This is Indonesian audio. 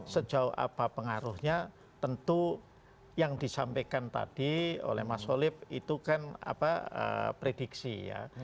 sejauh apa pengaruhnya tentu yang disampaikan tadi oleh mas solid itu kan prediksi ya